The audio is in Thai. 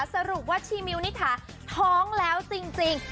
สรุปว่าชีมิวนิถาท้องแล้วจริง